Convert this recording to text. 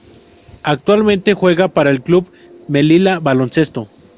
Actualmente juega para el Club Melilla Baloncesto.